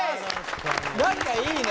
何かいいね！